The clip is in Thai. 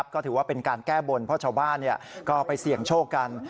ก็ถือว่าเป็นการแก้บนเพราะชาวบ้านก็ไปเสี่ยงโชคกัน